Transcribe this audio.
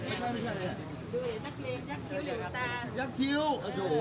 มึงไม่ได้เท่าไหร่ไม่ใช่ต้องรุนแรงกับคำพูดอ้าว